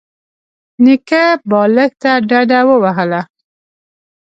نيکه بالښت ته ډډه ووهله.